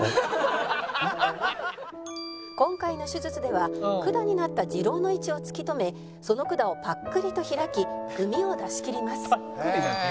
「今回の手術では管になった痔瘻の位置を突き止めその管をパックリと開き膿を出しきります」